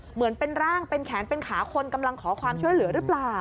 เหมือนเป็นร่างเป็นแขนเป็นขาคนกำลังขอความช่วยเหลือหรือเปล่า